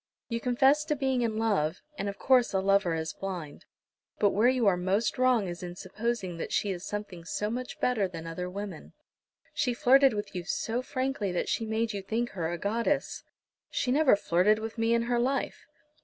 You confess to being in love, and of course a lover is blind. But where you are most wrong is in supposing that she is something so much better than other women. She flirted with you so frankly that she made you think her a goddess." "She never flirted with me in her life."